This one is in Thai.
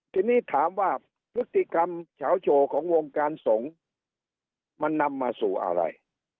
ทีนี้ถามว่าพฤติกรรมเฉาโชว์ของวงการสงฆ์มันนำมาสู่อะไร